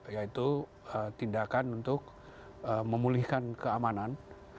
yaitu tindakan untuk memulihkan keamanan